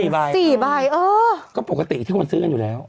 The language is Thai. ๔ใบเออก็ปกติที่คนซื้อกันอยู่แล้ว